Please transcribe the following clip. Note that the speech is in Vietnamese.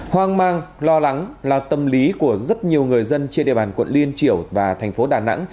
hoang mang lo lắng là tâm lý của rất nhiều người dân trên địa bàn quận liên triểu và thành phố đà nẵng